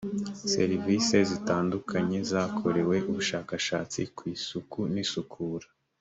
serivisi zitandukanye zakoreweho ubushakashatsi ku isuku n isukura